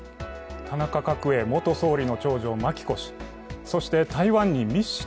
田中角栄元総理の長女・真紀子氏。